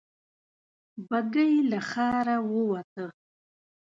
بګۍ له ښاره ووته.